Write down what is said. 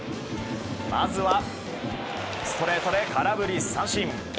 まずはストレートで空振り三振。